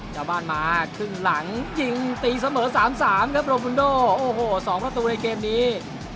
เจ้าบ้านหมาขึ้นหลังยิงตีเสมอ๓๓ครับโรมพุนโดโอ้โหสองประตูในเกมนี้